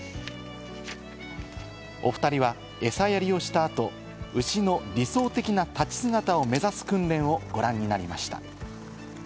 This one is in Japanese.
おふたりは餌やりをした後、牛の理想的な立ち姿を目指す訓練をご覧になりました。